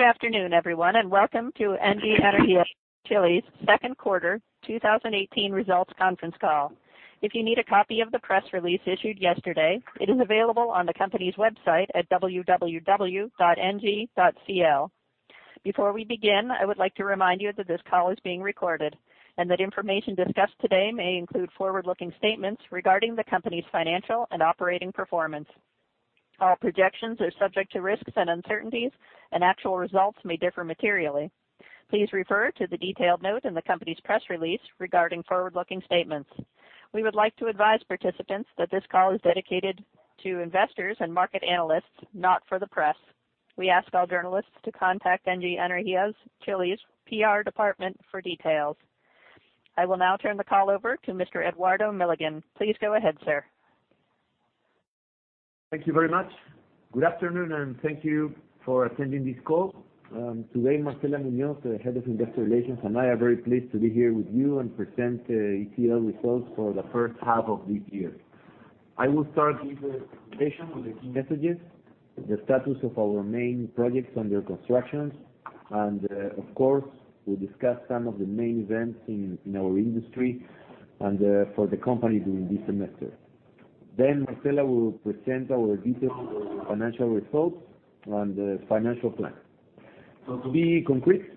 Good afternoon, everyone, and welcome to Engie Energia Chile's second quarter 2018 results conference call. If you need a copy of the press release issued yesterday, it is available on the company's website at www.engie.cl. Before we begin, I would like to remind you that this call is being recorded and that information discussed today may include forward-looking statements regarding the company's financial and operating performance. All projections are subject to risks and uncertainties, and actual results may differ materially. Please refer to the detailed note in the company's press release regarding forward-looking statements. We would like to advise participants that this call is dedicated to investors and market analysts, not for the press. We ask all journalists to contact Engie Energia Chile's PR department for details. I will now turn the call over to Mr. Eduardo Milligan. Please go ahead, sir. Thank you very much. Good afternoon and thank you for attending this call. Today, Marcela Muñoz, the Head of Investor Relations, and I are very pleased to be here with you and present ECL results for the first half of this year. I will start with the presentation of the key messages, the status of our main projects under construction, and of course, we'll discuss some of the main events in our industry and for the company during this semester. Marcela will present our detailed financial results and the financial plan. To be concrete,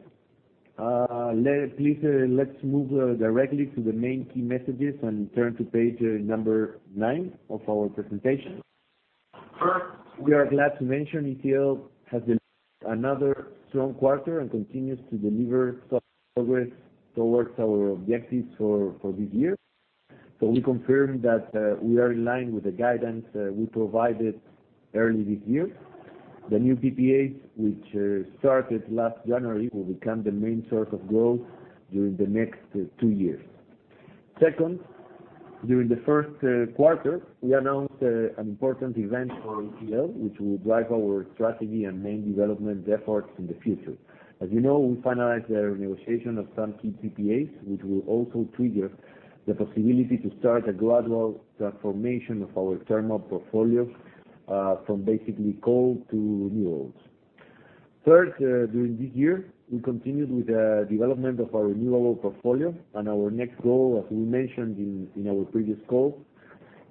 please, let's move directly to the main key messages and turn to page number nine of our presentation. First, we are glad to mention ECL has delivered another strong quarter and continues to deliver solid progress towards our objectives for this year. We confirm that we are in line with the guidance we provided early this year. The new PPAs, which started last January, will become the main source of growth during the next two years. Second, during the first quarter, we announced an important event for ECL, which will drive our strategy and main development efforts in the future. As you know, we finalized the negotiation of some key PPAs, which will also trigger the possibility to start a gradual transformation of our thermal portfolio from basically coal to renewables. Third, during this year, we continued with the development of our renewable portfolio, and our next goal, as we mentioned in our previous call,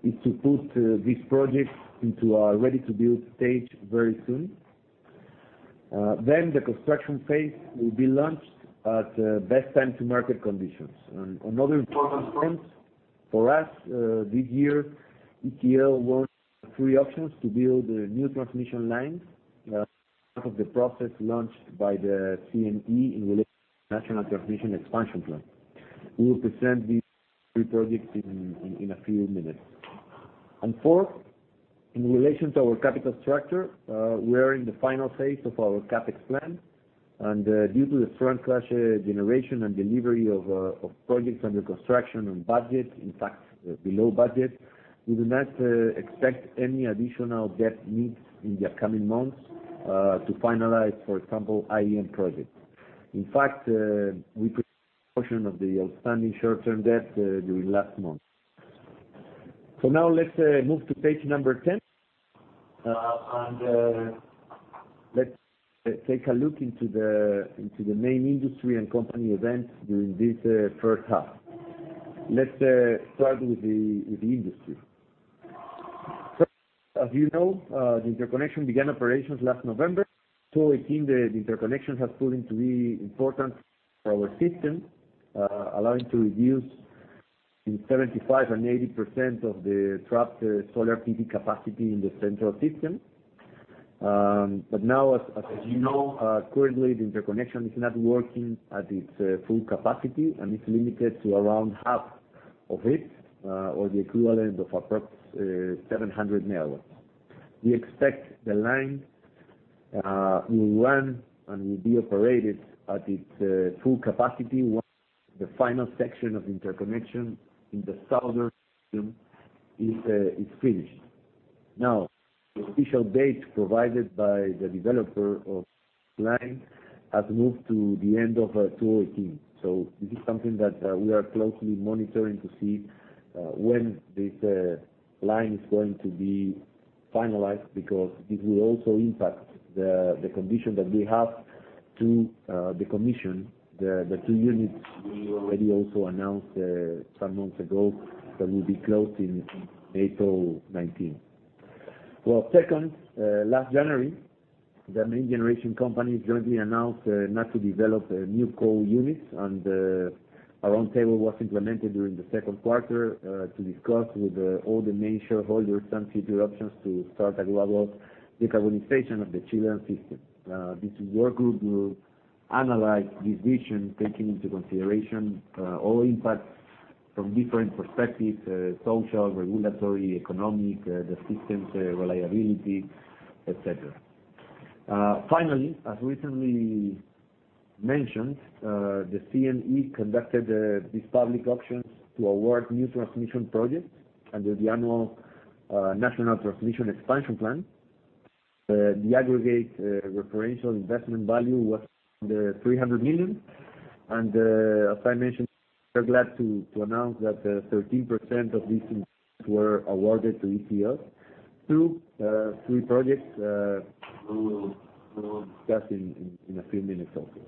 is to put these projects into a ready-to-build stage very soon. The construction phase will be launched at the best time to market conditions. Another important point for us, this year, ECL won three options to build new transmission lines as part of the process launched by the CNE in relation to the National Transmission Expansion Plan. We will present these three projects in a few minutes. Fourth, in relation to our capital structure, we are in the final phase of our CapEx plan, and due to the strong generation and delivery of projects under construction on budget, in fact, below budget, we do not expect any additional debt needs in the upcoming months to finalize, for example, IEM projects. In fact, we paid a portion of the outstanding short-term debt during last month. Now let's move to page number 10, and let's take a look into the main industry and company events during this first half. Let's start with the industry. First, as you know, the interconnection began operations last November. It seems the interconnection has proven to be important for our system, allowing to reduce between 75%-80% of the trapped solar PV capacity in the central system. Now, as you know, currently, the interconnection is not working at its full capacity and is limited to around half of it, or the equivalent of approx. 700 MW. We expect the line will run and will be operated at its full capacity once the final section of interconnection in the southern system is finished. The official date provided by the developer of this line has moved to the end of 2018. This is something that we are closely monitoring to see when this line is going to be finalized because this will also impact the condition that we have to the commission, the two units we already also announced some months ago that will be closed in April 2019. Second, last January, the main generation companies jointly announced not to develop new coal units, and a roundtable was implemented during the second quarter to discuss with all the main shareholders some future options to start a global decarbonization of the Chilean system. This work group will analyze this vision, taking into consideration all impacts from different perspectives: social, regulatory, economic, the system's reliability, et cetera. Finally, as recently mentioned, the CNE conducted these public auctions to award new transmission projects under the annual National Transmission Expansion Plan. The aggregate referential investment value was under $300 million. As I mentioned, we are glad to announce that 13% of these investments were awarded to TEN through three projects that we will discuss in a few minutes also.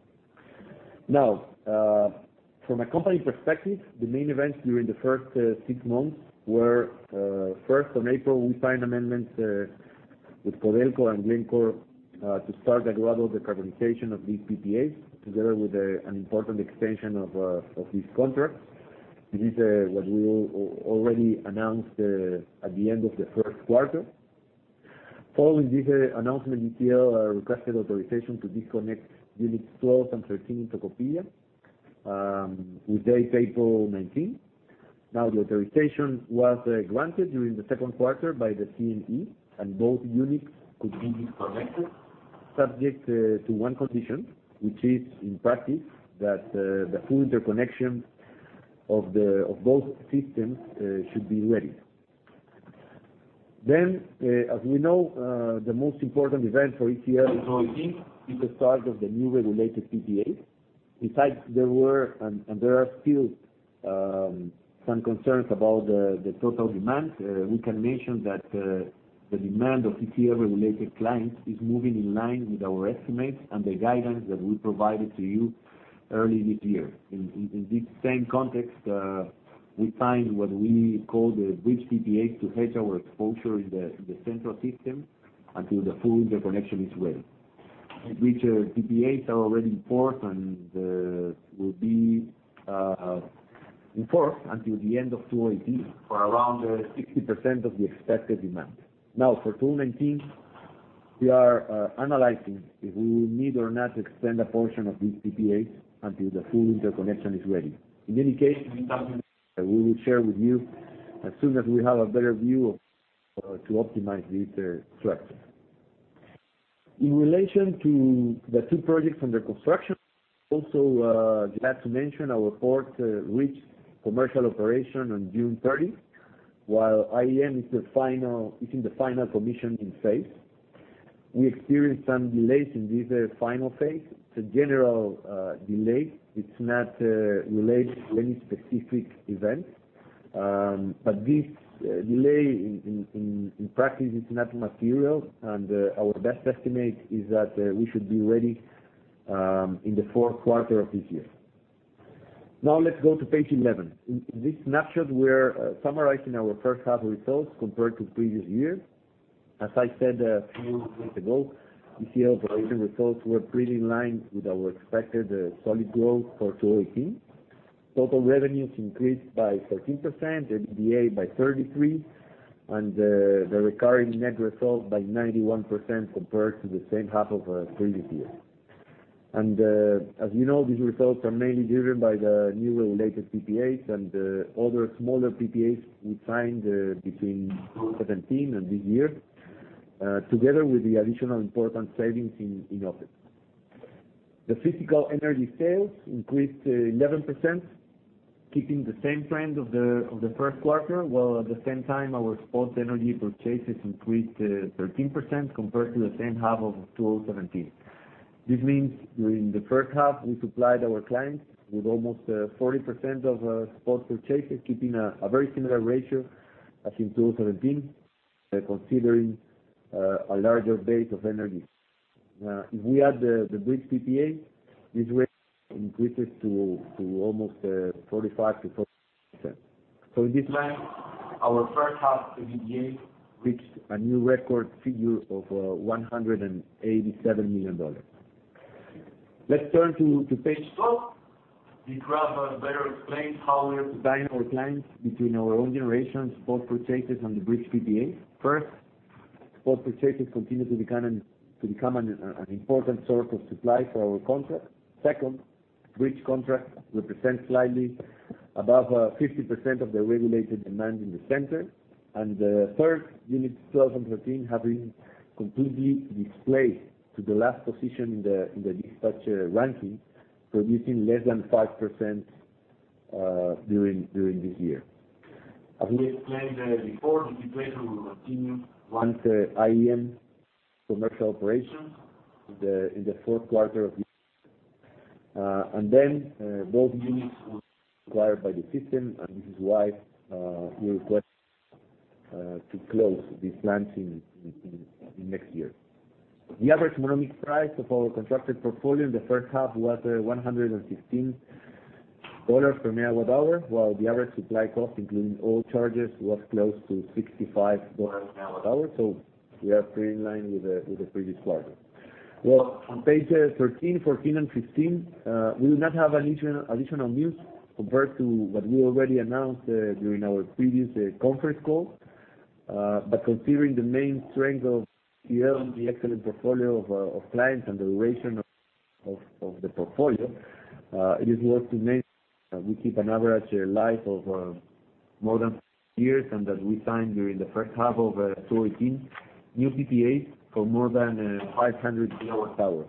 From a company perspective, the main events during the first six months were, first, on April, we signed amendments with Colbún and Glencore to start the gradual decarbonization of these PPAs, together with an important extension of these contracts. This is what we already announced at the end of the first quarter. Following this announcement, TEN requested authorization to disconnect units 12 and 13 in Tocopilla with date April 2019. The authorization was granted during the second quarter by the CNE, and both units could be disconnected subject to one condition, which is, in practice, that the full interconnection of both systems should be ready. As we know, the most important event for TEN in 2018 is the start of the new regulated PPAs. Besides, there were and there are still some concerns about the total demand. We can mention that the demand of TEN-regulated clients is moving in line with our estimates and the guidance that we provided to you early this year. In this same context, we signed what we call the bridge PPAs to hedge our exposure in the central system until the full interconnection is ready. These bridge PPAs are already in force and will be in force until the end of 2018 for around 60% of the expected demand. For 2019, we are analyzing if we will need or not extend a portion of these PPAs until the full interconnection is ready. In any case, we will share with you as soon as we have a better view to optimize this structure. In relation to the two projects under construction, also glad to mention our 4th bridge commercial operation on June 30. While IEM is in the final commissioning phase. We experienced some delays in this final phase. It's a general delay. It's not related to any specific event. This delay in practice is not material, and our best estimate is that we should be ready in the 4th quarter of this year. Let's go to page 11. In this snapshot, we're summarizing our first half results compared to previous year. As I said a few weeks ago, ECL operating results were pretty in line with our expected solid growth for 2018. Total revenues increased by 13%, EBITDA by 33%, and the recurring net result by 91% compared to the same half of previous year. As you know, these results are mainly driven by the new regulated PPAs and other smaller PPAs we signed between 2017 and this year, together with the additional important savings in OpEx. The physical energy sales increased 11%, keeping the same trend of the first quarter, while at the same time, our spot energy purchases increased 13% compared to the same half of 2017. This means during the first half, we supplied our clients with almost 40% of spot purchases, keeping a very similar ratio as in 2017, considering a larger base of energy. If we add the bridge PPA, this ratio increases to almost 45%-46%. This means our first half EBITDA reached a new record figure of $187 million. Let's turn to page 12. This graph better explains how we are supplying our clients between our own generation, spot purchases, and the bridge PPAs. First, spot purchases continue to become an important source of supply for our contracts. Second, bridge contracts represent slightly above 50% of the regulated demand in the center. The 3rd, units 12 and 13 have been completely displaced to the last position in the dispatch ranking, producing less than 5% during this year. As we explained before, this situation will continue once IEM commercial operations in the 4th quarter of this year. Both units will be required by the system, this is why we request to close these plants in next year. The average economic price of our contracted portfolio in the first half was $116 per MWh, while the average supply cost, including all charges, was close to $65 per MWh. We are pretty in line with the previous quarter. On page 13, 14, and 15, we do not have additional news compared to what we already announced during our previous conference call. Considering the main strength of ECL and the excellent portfolio of clients and the duration of the portfolio, it is worth to mention that we keep an average life of more than years, and that we signed during the first half of 2018 new PPAs for more than 500 GWh.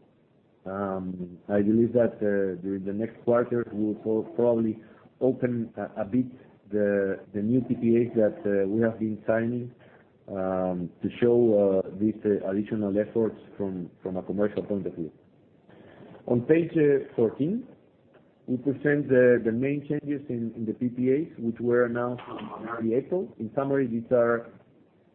I believe that during the next quarter, we will probably open a bit the new PPAs that we have been signing to show these additional efforts from a commercial point of view. On page 14, we present the main changes in the PPAs, which were announced in early April. In summary, there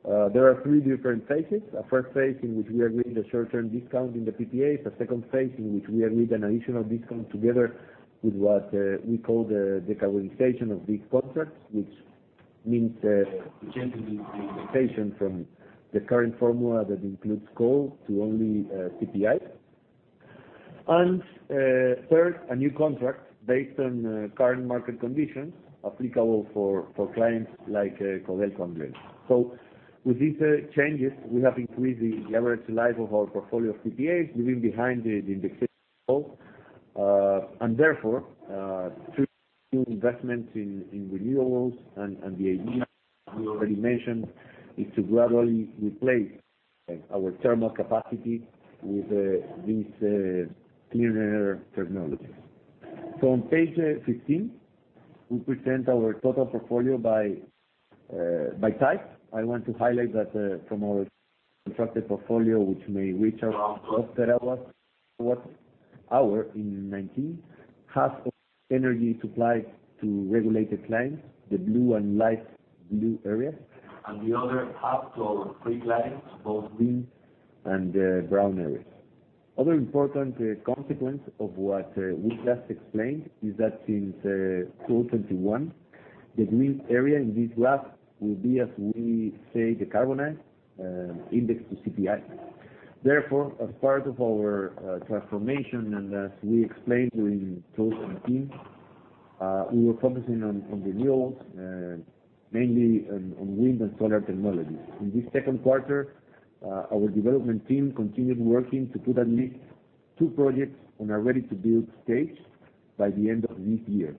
are three different phases. A first phase in which we agreed a short-term discount in the PPAs, a second phase in which we agreed an additional discount together with what we call the decarbonization of these contracts, which means changing the indexation from the current formula that includes coal to only CPI. Third, a new contract based on current market conditions applicable for clients like Codelco. With these changes, we have increased the average life of our portfolio of PPAs, leaving behind the indexation of coal, and therefore, through new investments in renewables and the idea we already mentioned is to gradually replace our thermal capacity with these cleaner technologies. On page 15, we present our total portfolio by type. I want to highlight that from our contracted portfolio, which may reach around 12 terawatt hour in 2019, half of energy supplied to regulated clients, the blue and light blue areas, and the other half to our free clients, both green and brown areas. Other important consequence of what we just explained is that since 2021, the green area in this graph will be, as we say, decarbonized, indexed to CPI. Therefore, as part of our transformation and as we explained during 2018, we were focusing on renewables, mainly on wind and solar technologies. In this second quarter, our development team continued working to put at least two projects on our ready-to-build stage by the end of this year.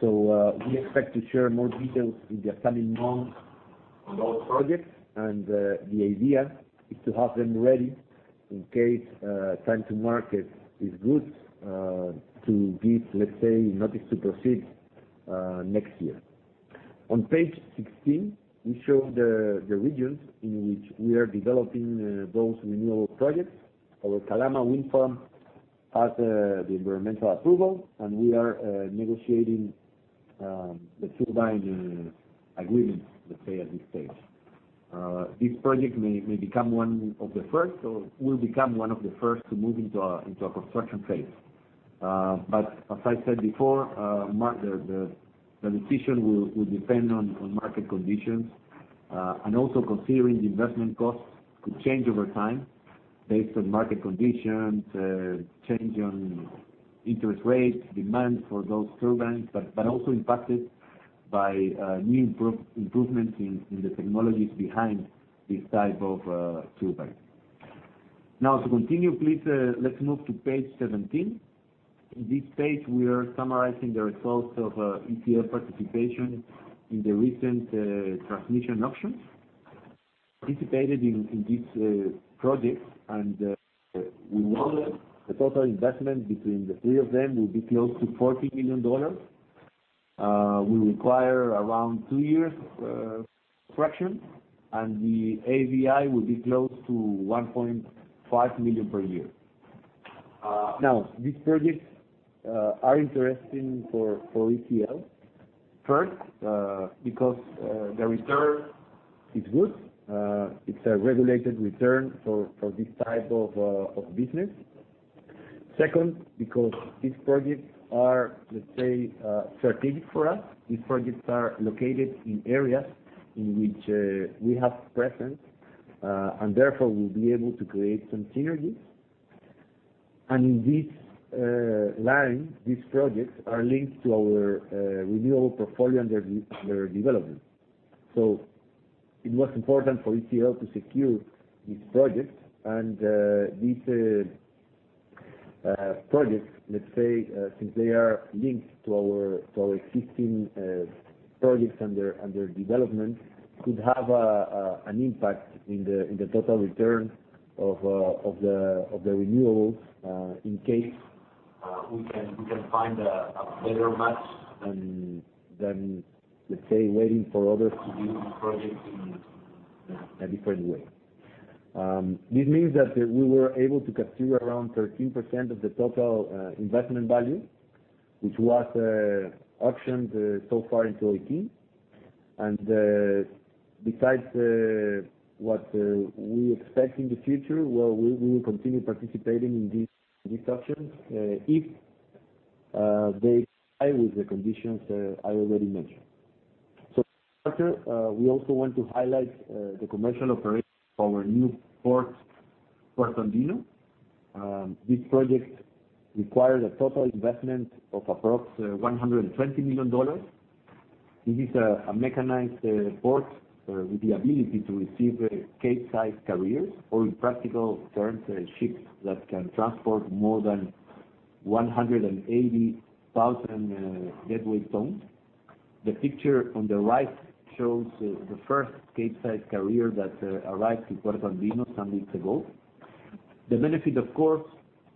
We expect to share more details in the coming months on those projects, and the idea is to have them ready in case time to market is good to give, let's say, notice to proceed next year. On page 16, we show the regions in which we are developing those renewable projects. Our Calama wind farm has the environmental approval, and we are negotiating the turbine agreement, let's say, at this stage. This project may become one of the first, or will become one of the first to move into a construction phase. As I said before, the decision will depend on market conditions, and also considering the investment costs could change over time based on market conditions, change on interest rates, demand for those turbines, but also impacted by new improvements in the technologies behind this type of turbine. To continue, please, let's move to page 17. In this page, we are summarizing the results of ECL participation in the recent transmission auctions. Participated in these projects, and we model the total investment between the three of them will be close to $40 million, will require around two years of construction, and the AVI will be close to $1.5 million per year. These projects are interesting for ECL. First, because the return is good. It's a regulated return for this type of business. Second, because these projects are, let's say, strategic for us. These projects are located in areas in which we have presence, and therefore, we'll be able to create some synergies. In this line, these projects are linked to our renewable portfolio under development. It was important for ECL to secure these projects. These projects, let's say, since they are linked to our existing projects under development, could have an impact in the total return of the renewables, in case we can find a better match than, let's say, waiting for others to build these projects in a different way. This means that we were able to capture around 13% of the total investment value, which was auctioned so far in 2018. Besides what we expect in the future, well, we will continue participating in these auctions if they comply with the conditions I already mentioned. In this quarter, we also want to highlight the commercial operation of our new port, Puerto Andino. This project required a total investment of approx $120 million. It is a mechanized port with the ability to receive Capesize carriers, or in practical terms, ships that can transport more than 180,000 deadweight tons. The picture on the right shows the first Capesize carrier that arrived in Puerto Andino some weeks ago. The benefit, of course,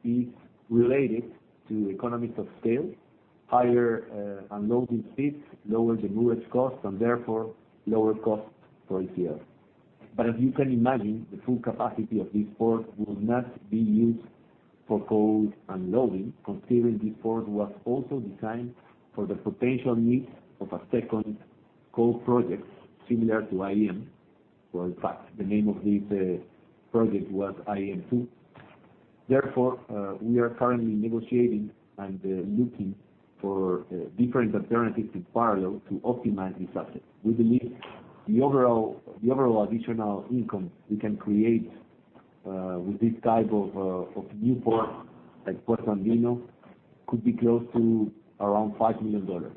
is related to economies of scale, higher unloading speeds, lower demurrage costs, and therefore, lower costs for ECL. As you can imagine, the full capacity of this port will not be used for coal unloading, considering this port was also designed for the potential needs of a second coal project similar to IEM. Well, in fact, the name of this project was IEM Two. We are currently negotiating and looking for different alternatives in parallel to optimize this asset. We believe the overall additional income we can create with this type of new port, like Puerto Andino, could be close to around $5 million.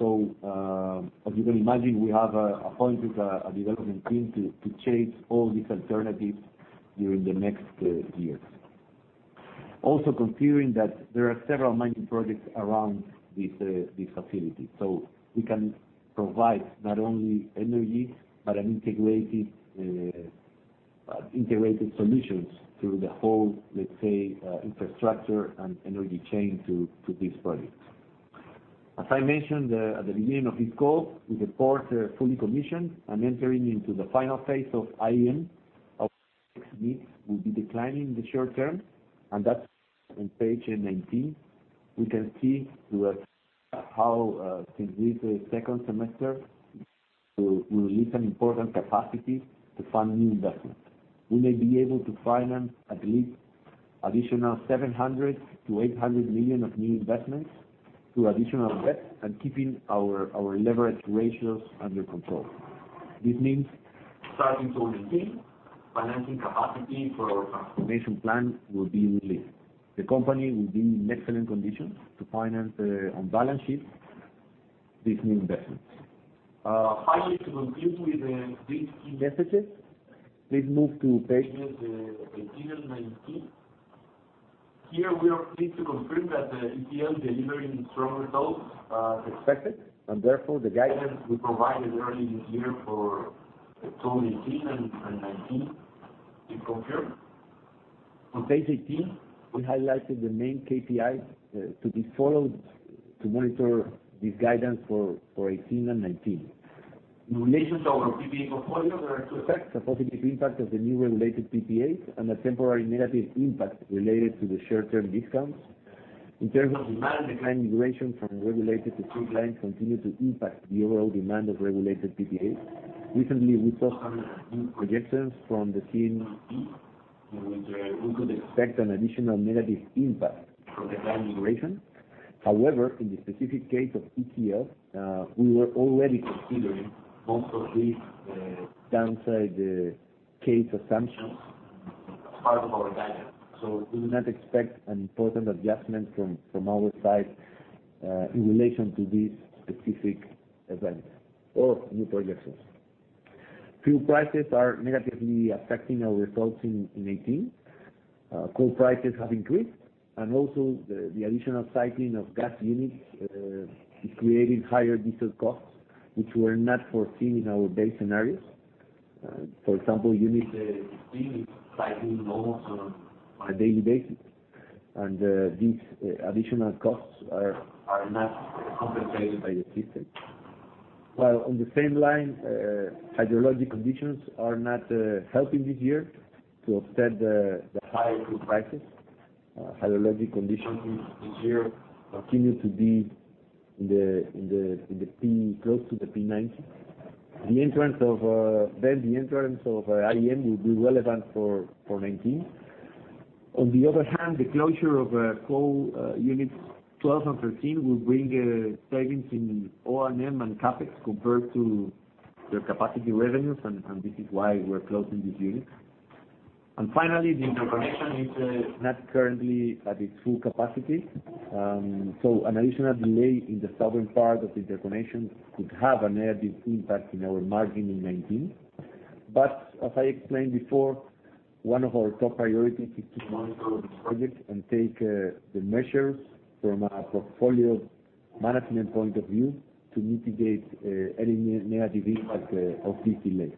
As you can imagine, we have appointed a development team to chase all these alternatives during the next years. Also considering that there are several mining projects around this facility. We can provide not only energy, but integrated solutions through the whole, let's say, infrastructure and energy chain to these projects. As I mentioned at the beginning of this call, with the port fully commissioned and entering into the final phase of IEM, our CapEx needs will be declining in the short term. That's on page 19. We can see how since this second semester, we release an important capacity to fund new investments. We may be able to finance at least additional $700 million-$800 million of new investments through additional debt and keeping our leverage ratios under control. This means starting 2018, financing capacity for our transformation plan will be released. The company will be in excellent conditions to finance on balance sheet these new investments. To conclude with these key messages, please move to pages 18 and 19. Here, we are pleased to confirm that the ECL delivering strong results as expected, therefore the guidance we provided early this year for 2018 and 2019 is confirmed. On page 18, we highlighted the main KPIs to be followed to monitor this guidance for 2018 and 2019. In relation to our PPA portfolio, there are two effects, a positive impact of the new regulated PPAs and a temporary negative impact related to the short-term discounts. In terms of demand decline migration from regulated to free clients continue to impact the overall demand of regulated PPAs. Recently, we saw some new projections from the CNE, in which we could expect an additional negative impact from the decline migration. However, in the specific case of ECL, we were already considering most of these downside case assumptions as part of our guidance. Do not expect an important adjustment from our side in relation to these specific events or new projections. Fuel prices are negatively affecting our results in 2018. Coal prices have increased, and also the additional cycling of gas units is creating higher diesel costs, which were not foreseen in our base scenarios. For example, unit 15 is cycling almost on a daily basis, and these additional costs are not compensated by the system. On the same line, hydrological conditions are not helping this year to offset the high fuel prices. Hydrologic conditions this year continue to be close to the P90. The entrance of IEM will be relevant for 2019. On the other hand, the closure of coal units 12 and 13 will bring savings in O&M and CapEx compared to their capacity revenues, and this is why we're closing these units. The interconnection is not currently at its full capacity. An additional delay in the southern part of the interconnection could have a negative impact in our margin in 2019. One of our top priorities is to monitor this project and take the measures from a portfolio management point of view to mitigate any negative impact of this delay.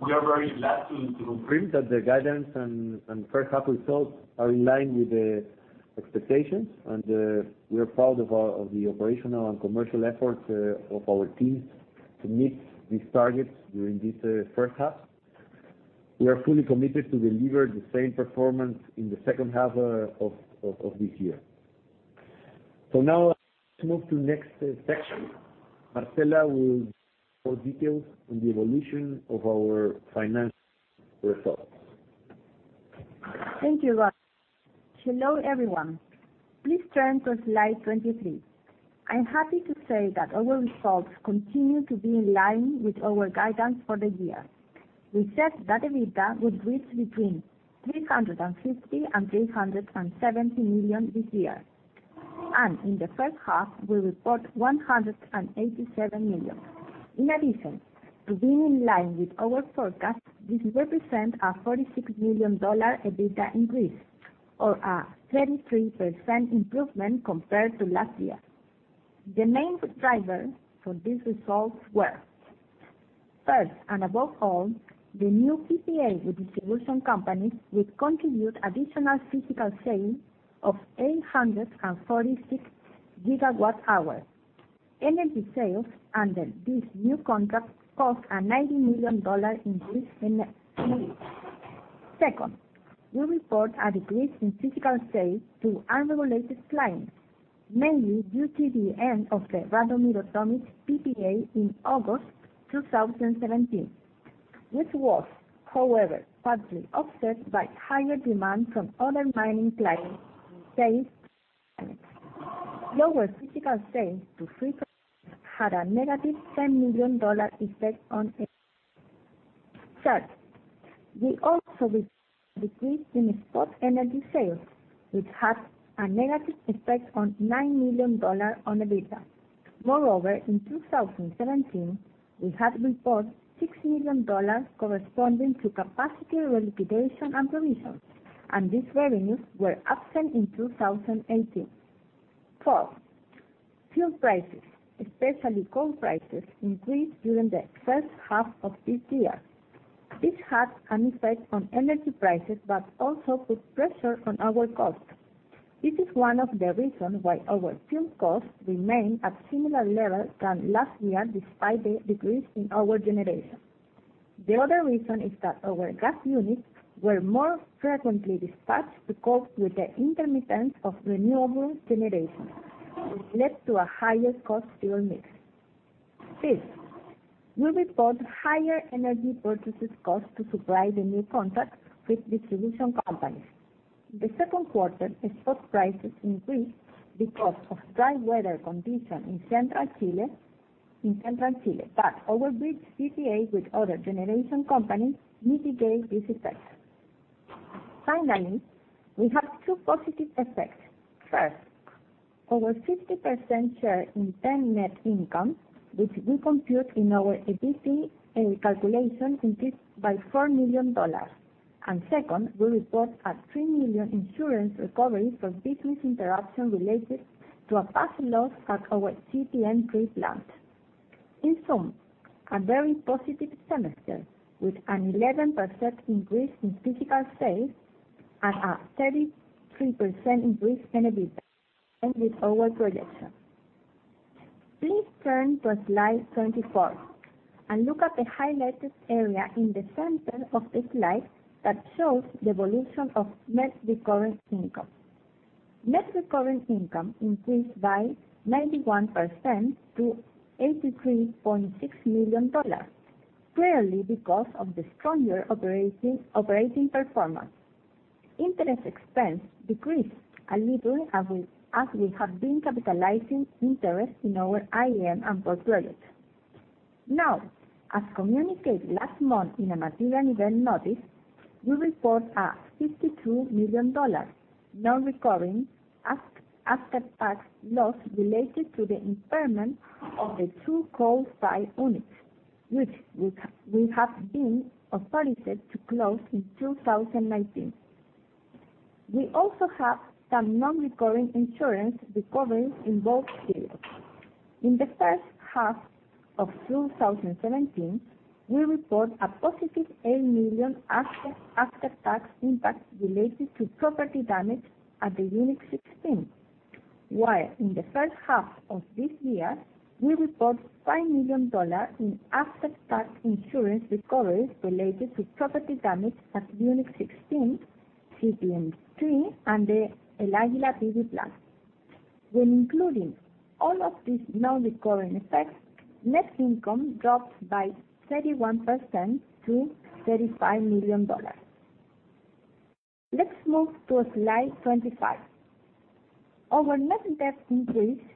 We are very glad to confirm that the guidance and first half results are in line with the expectations, and we are proud of the operational and commercial efforts of our teams to meet these targets during this first half. We are fully committed to deliver the same performance in the second half of this year. Let's move to next section. Marcela will give more details on the evolution of our financial results. Thank you, Eduardo. Hello, everyone. Please turn to slide 23. I'm happy to say that our results continue to be in line with our guidance for the year. We said that EBITDA would reach between $350 million and $370 million this year. In the first half, we report $187 million. In addition, to being in line with our forecast, this represents a $46 million EBITDA increase or a 33% improvement compared to last year. The main driver for these results were, first and above all, the new PPA with distribution companies, which contribute additional physical sale of 846 GWh. Energy sales under this new contract caused a $90 million increase in revenue. Second, we report a decrease in physical sales to unregulated clients, mainly due to the end of the Radomiro Tomic PPA in August 2017, which was, however, partly offset by higher demand from other mining clients who paid. Lower physical sales to free customers had a negative $10 million effect on EBITDA. Third, we also reported a decrease in spot energy sales, which had a negative effect on $9 million on EBITDA. Moreover, in 2017, we had reported $6 million corresponding to capacity relocation and provisions, these revenues were absent in 2018. Fourth, fuel prices, especially coal prices, increased during the first half of this year. This had an effect on energy prices, also put pressure on our costs. This is one of the reasons why our fuel costs remain at similar levels than last year, despite the decrease in our generation. The other reason is that our gas units were more frequently dispatched to cope with the intermittence of renewable generation, which led to a higher cost fuel mix. Fifth, we report higher energy purchases cost to supply the new contract with distribution companies. In the second quarter, spot prices increased because of dry weather conditions in central Chile, our bridge PPAs with other generation companies mitigate this effect. Finally, we have two positive effects. First, our 50% share in TEN net income, which we compute in our ABC calculations, increased by $4 million. Second, we report a $3 million insurance recovery for business interruption related to a past loss at our CTM3 plant. In sum, a very positive semester with an 11% increase in physical sales and a 33% increase in EBITDA in line with our projections. Please turn to slide 24 and look at the highlighted area in the center of the slide that shows the evolution of net recurring income. Net recurring income increased by 91% to $83.6 million, clearly because of the stronger operating performance. Interest expense decreased a little as we have been capitalizing interest in our IEM and port projects. As communicated last month in a material event notice, we report a $52 million non-recurring after-tax loss related to the impairment of the two coal-fired units, which we have been authorized to close in 2019. We also have some non-recurring insurance recoveries in both periods. In the first half of 2017, we report a positive $8 million after-tax impact related to property damage at the unit 16. While in the first half of this year, we report $5 million in after-tax insurance recoveries related to property damage at unit 16, CPN3, and the El Águila PV plant. When including all of these non-recurring effects, net income drops by 31% to $35 million. Let's move to slide 25. Our net debt increased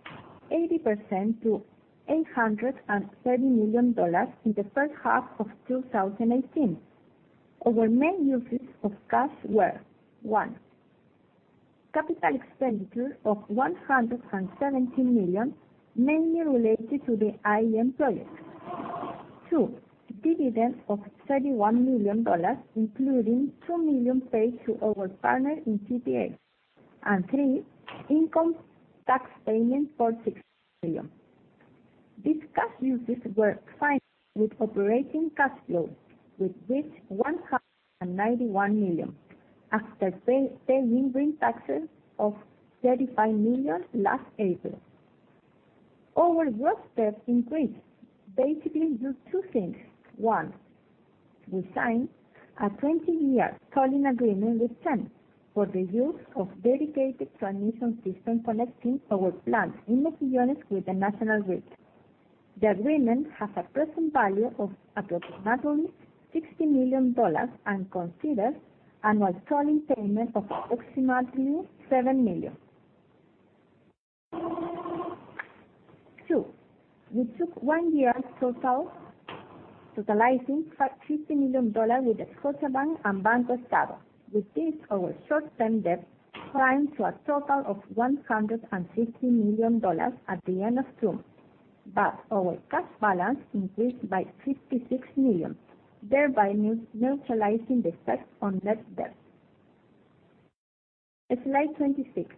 80% to $830 million in the first half of 2018. Our main uses of cash were, one, capital expenditure of $117 million, mainly related to the IEM project. Two, dividends of $31 million, including $2 million paid to our partner in GPA. Three, income tax payments for $16 million. These cash uses were financed with operating cash flow, which reached $191 million after paying taxes of $35 million last April. Our gross debt increased, basically due to two things. One, we signed a 20-year tolling agreement with TEN for the use of dedicated transmission system connecting our plants in Mejillones with the national grid. The agreement has a present value of approximately $60 million and considers annual tolling payment of approximately $7 million. Two, we took one-year totalizing $50 million with Scotiabank and BancoEstado. With this, our short-term debt climbed to a total of $150 million at the end of June, but our cash balance increased by $56 million, thereby neutralizing the effect on net debt. Slide 26.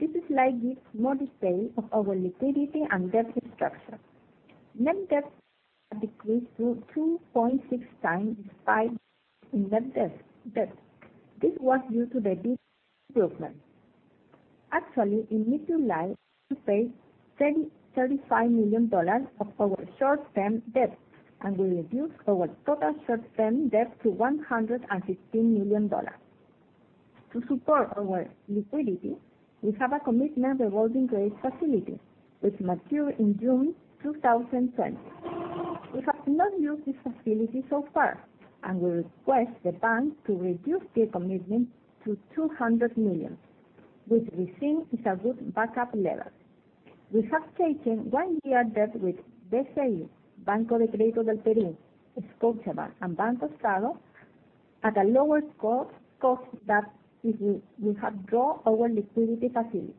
This slide gives more display of our liquidity and debt structure. Net debt has decreased to 2.6 times EBITDA in net debt. In mid-July, we paid $35 million of our short-term debt, and we reduced our total short-term debt to $115 million. To support our liquidity, we have a commitment revolving credit facility, which matures in June 2020. We have not used this facility so far, and we request the bank to reduce the commitment to $200 million, which we think is a good backup level. We have taken one-year debt with BCI, Banco de Crédito del Perú, Scotiabank, and BancoEstado at a lower cost than if we had drawn our liquidity facility.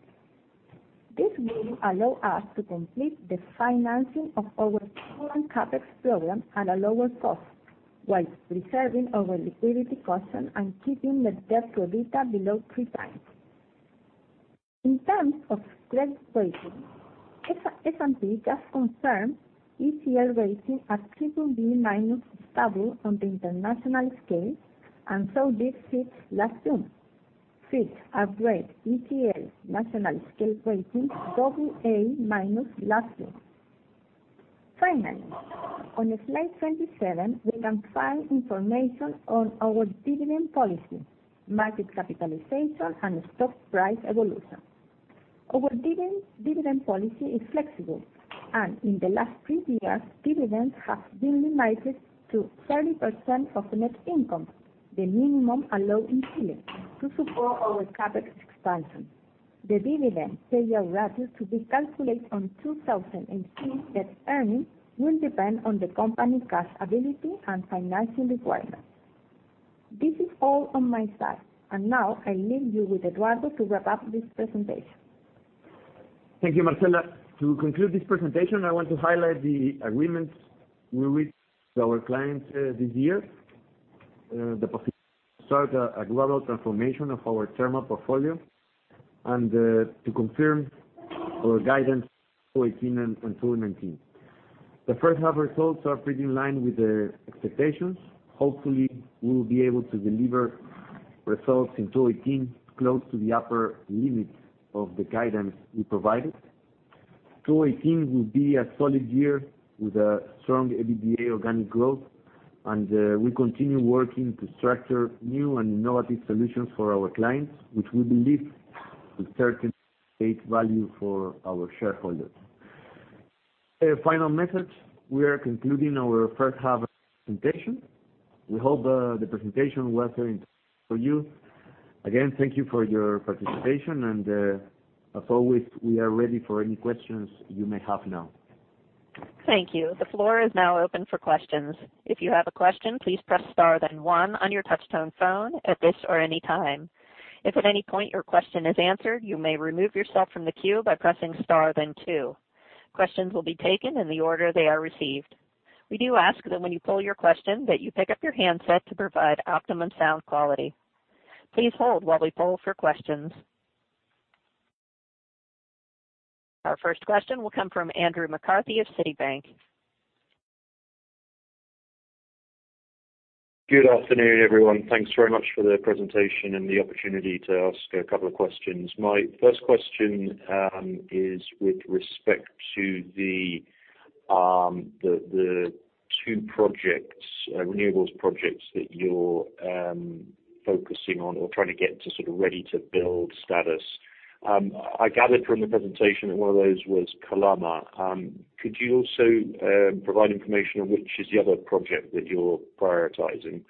This will allow us to complete the financing of our current CapEx program at a lower cost while preserving our liquidity caution and keeping net debt to EBITDA below three times. In terms of credit rating, S&P just confirmed ECL rating at BBB- stable on the international scale and so did Fitch last June. Fitch upgraded ECL national scale rating to AA- last June. Finally, on slide 27, we can find information on our dividend policy, market capitalization, and stock price evolution. Our dividend policy is flexible, and in the last three years, dividends have been limited to 30% of net income, the minimum allowed in Chile to support our CapEx expansion. The dividend payout ratio to be calculated on 2018 net earnings will depend on the company cash ability and financing requirements. This is all on my side, and now I leave you with Eduardo to wrap up this presentation. Thank you, Marcela. To conclude this presentation, I want to highlight the agreements we reached with our clients this year, the possibility to start a global transformation of our thermal portfolio, and to confirm our guidance for 2018 and 2019. The first half results are pretty in line with the expectations. Hopefully, we will be able to deliver results in 2018 close to the upper limit of the guidance we provided. 2018 will be a solid year with a strong EBITDA organic growth, and we continue working to structure new and innovative solutions for our clients, which we believe will certainly create value for our shareholders. A final message, we are concluding our first half presentation. We hope the presentation was very interesting for you. Again, thank you for your participation, and as always, we are ready for any questions you may have now. Thank you. The floor is now open for questions. If you have a question, please press star then one on your touch tone phone at this or any time. If at any point your question is answered, you may remove yourself from the queue by pressing star then two. Questions will be taken in the order they are received. We do ask that when you pose your question, that you pick up your handset to provide optimum sound quality. Please hold while we poll for questions. Our first question will come from Andrew McCarthy of Citibank. Good afternoon, everyone. Thanks very much for the presentation and the opportunity to ask a couple of questions. My first question is with respect to the two renewables projects that you're focusing on or trying to get to ready-to-build status. I gathered from the presentation that one of those was Calama. Could you also provide information on which is the other project that you're prioritizing?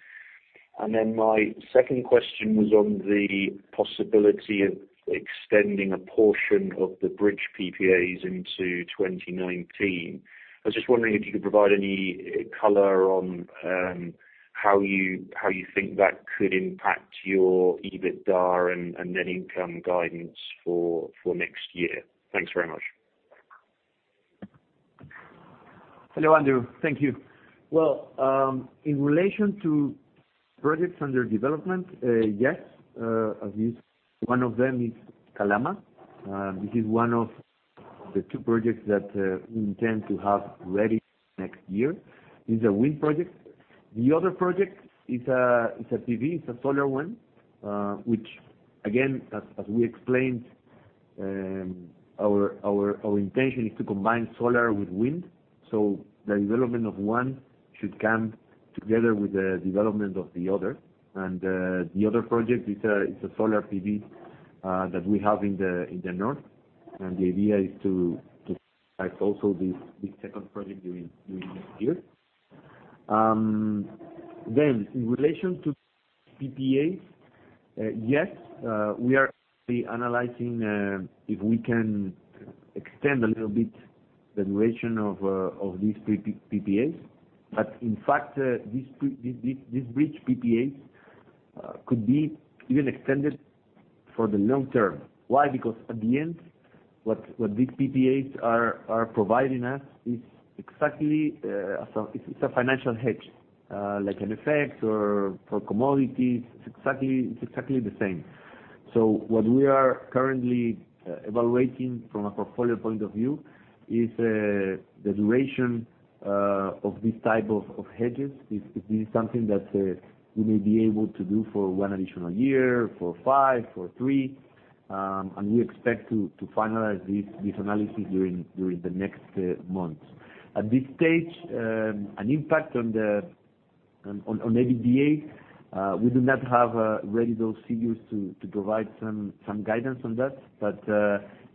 My second question was on the possibility of extending a portion of the bridge PPAs into 2019. I was just wondering if you could provide any color on how you think that could impact your EBITDA and net income guidance for next year. Thanks very much. Hello, Andrew. Thank you. In relation to projects under development, yes, at least one of them is Calama. This is one of the two projects that we intend to have ready next year. It's a wind project. The other project is a PV, it's a solar one, which again, as we explained, our intention is to combine solar with wind, so the development of one should come together with the development of the other. The other project is a solar PV that we have in the north. The idea is to start also this second project during this year. In relation to PPAs, yes, we are currently analyzing if we can extend a little bit the duration of these PPAs. In fact, these bridge PPAs could be even extended for the long term. Why? At the end, what these PPAs are providing us is exactly a financial hedge, like an effect for commodities. It's exactly the same. What we are currently evaluating from a portfolio point of view is the duration of these type of hedges. If this is something that we may be able to do for one additional year, for five, for three. We expect to finalize this analysis during the next months. At this stage, an impact on the EBITDA, we do not have ready those figures to provide some guidance on that.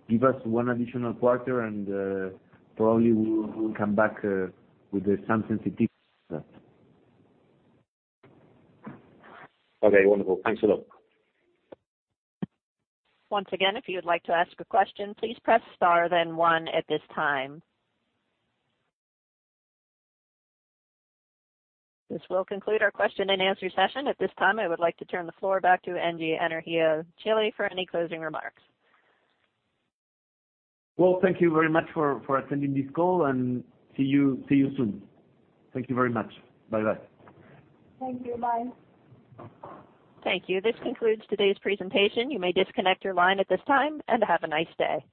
Give us one additional quarter, and probably we'll come back with some sensitivity on that. Okay, wonderful. Thanks a lot. Once again, if you would like to ask a question, please press star then one at this time. This will conclude our question and answer session. At this time, I would like to turn the floor back to Engie Energía Chile for any closing remarks. Well, thank you very much for attending this call, and see you soon. Thank you very much. Bye-bye. Thank you. Bye. Thank you. This concludes today's presentation. You may disconnect your line at this time, and have a nice day.